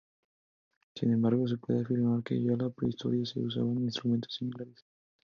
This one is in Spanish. Sin embargo, se puede afirmar que ya en la prehistoria se usaban instrumentos similares.